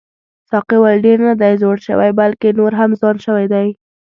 ساقي وویل ډېر نه دی زوړ شوی بلکې نور هم ځوان شوی دی.